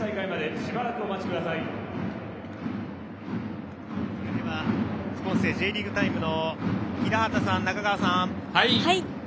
それでは、副音声「Ｊリーグタイム」の平畠さん、中川さん。